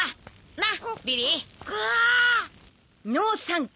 なっ？